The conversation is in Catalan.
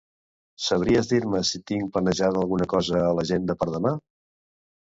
Sabries dir-me si tinc planejada alguna cosa a l'agenda per demà?